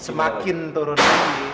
semakin turun lagi